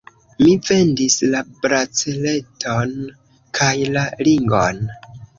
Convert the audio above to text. Mi vendis la braceleton kaj la ringon.